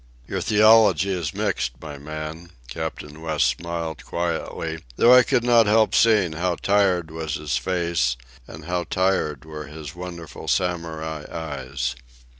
"Your theology is mixed, my man," Captain West smiled quietly, though I could not help seeing how tired was his face and how tired were his wonderful Samurai eyes.